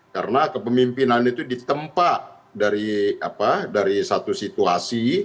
karena kepemimpinan itu ditempa dari satu situasi